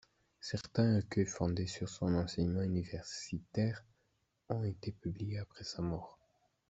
Certains recueils fondés sur son enseignement universitaire ont été publiés après sa mort.